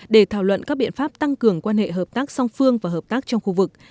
để thảo luận các biện pháp tăng cường quan hệ hợp tác song phương và hợp tác trong khu vực